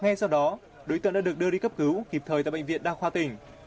ngay sau đó đối tượng đã được đưa đi cấp cứu kịp thời tại bệnh viện đa khoa tỉnh